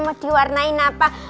mau diwarnain apa